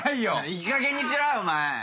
いいかげんにしろよお前！